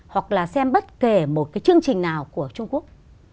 hoặc là xem bất kể một cái chương trình nào của trung quốc